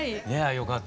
よかった。